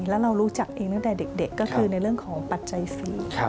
แล้วเรารู้จักเองตั้งแต่เด็กก็คือในเรื่องของปัจจัยฟรี